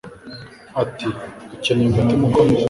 ati Ukeneye umutima ukomeye